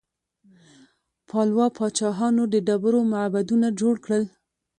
پالوا پاچاهانو د ډبرو معبدونه جوړ کړل.